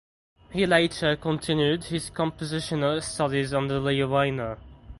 He later continued his compositional studies under Leo Weiner.